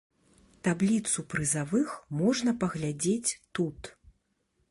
Табліцу прызавых можна паглядзець тут.